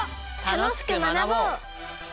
「楽しく学ぼう！」。